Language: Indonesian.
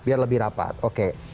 biar lebih rapat oke